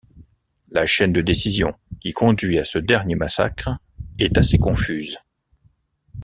La chaîne de décision qui conduit à ce dernier massacre est assez confuse.